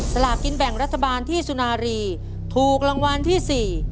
สลากกินแบ่งรัฐบาลที่สุนารีถูกรางวัลที่๔